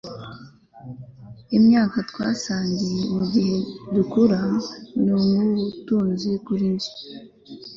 imyaka twasangiye mugihe dukura ni nkubutunzi kuri njye